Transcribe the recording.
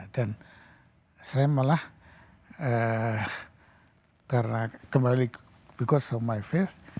dan saya malah karena kembali because of my faith